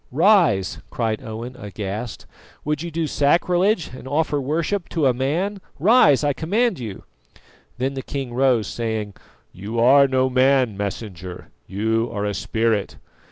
"Rise!" cried Owen aghast. "Would you do sacrilege, and offer worship to a man? Rise, I command you!" Then the king rose, saying: "You are no man, Messenger, you are a spirit."